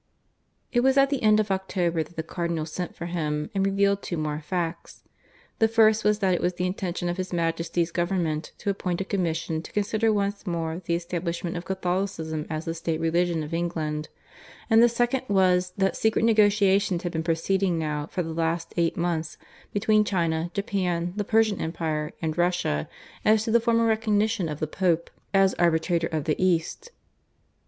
It was at the end of October that the Cardinal sent for him and revealed two more facts. The first was that it was the intention of His Majesty's Government to appoint a Commission to consider once more the Establishment of Catholicism as the State religion of England; and the second was that secret negotiations had been proceeding now for the last eight months between China, Japan, the Persian Empire, and Russia, as to the formal recognition of the Pope as Arbitrator of the East.